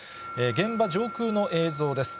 現場上空の映像です。